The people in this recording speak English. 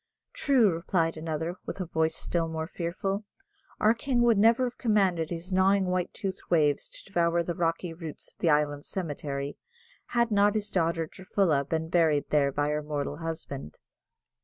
"True," replied another, with a voice still more fearful, "our king would never have commanded his gnawing white toothed waves to devour the rocky roots of the island cemetery, had not his daughter, Durfulla, been buried there by her mortal husband!"